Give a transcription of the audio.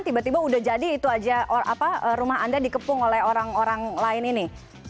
tiba tiba udah jadi itu aja rumah anda dikepung oleh orang orang lain ini